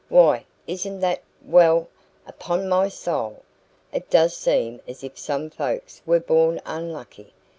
"Why, isn't that Well, upon my soul! it does seem as if some folks were born unlucky.